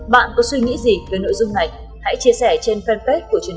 bạn có suy nghĩ gì về nội dung này hãy chia sẻ trên fanpage của truyền hình công an nhân dân